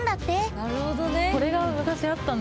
なるほどね。